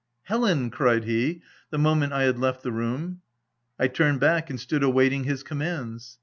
Helen !" cried he, the moment I had left the room. 1 turned back, and stood awaiting his commands.